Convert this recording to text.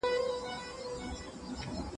هغه د بخارا له زندان څخه خوشې شو.